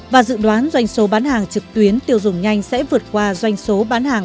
và dự đoán doanh số bán hàng trực tuyến tiêu dùng nhanh sẽ vượt qua doanh số bán hàng